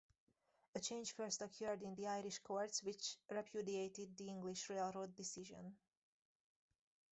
A change first occurred in the Irish courts which repudiated the English railroad decision.